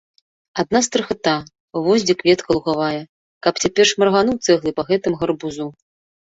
Адна страхата, вось дзе кветка лугавая, каб цяпер шмаргануў цэглай па гэтым гарбузу.